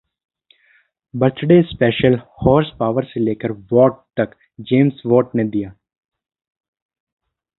birthday special: horse power से लेकर watt तक जेम्स वॉट ने दिया...